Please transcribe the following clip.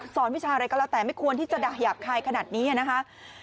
วิชาอะไรก็แล้วแต่ไม่ควรที่จะด่าหยาบคายขนาดนี้นะคะ